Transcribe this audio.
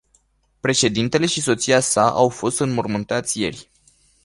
Președintele și soția sa au fost înmormântați ieri.